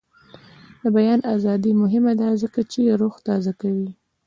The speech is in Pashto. د بیان ازادي مهمه ده ځکه چې روح تازه کوي.